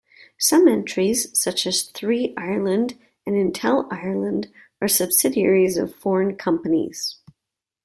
Some entries such as Three Ireland and Intel Ireland are subsidiaries of foreign companies.